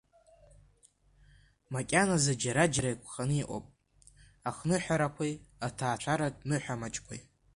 Макьаназы џьара-џьара еиқәханы иҟоуп ахныҳәарақәеи аҭаацәаратә ныҳәа маҷқәеи.